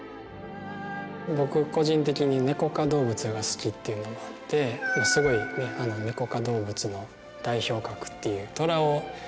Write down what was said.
僕個人的にネコ科動物が好きっていうのもあってすごいネコ科動物の代表格っていう。